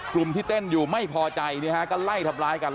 กลุ่มที่เต้นอยู่ไม่พอใจก็ไล่ทำร้ายกัน